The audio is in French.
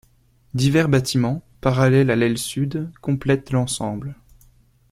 Divers bâtiments, parallèles à l’aile sud, complètent l’ensemble.